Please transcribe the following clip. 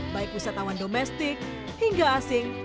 baik wisatawan domestik hingga asing